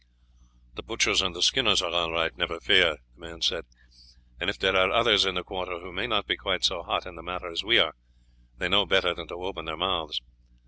"The butchers and skinners are all right, never fear," the man said; "and if there are others in the quarter who may not be quite so hot in the matter as we are, they know better than to open their mouths.